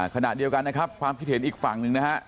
ขณะเดียวกันนะครับความคิดเห็นอีกฝั่งหนึ่งนะฮะ